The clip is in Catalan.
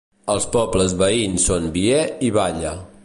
Els pobles veïns són Bie i Valla.